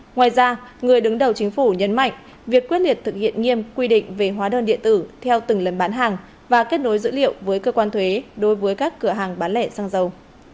ngoài ra người đứng đầu chính phủ nhấn mạnh việc quyết liệt thực hiện nghiêm quy định về hóa đơn điện tử theo từng lần bán hàng và kết nối dữ liệu với cơ quan thuế đối với các cửa hàng bán lẻ xăng dầu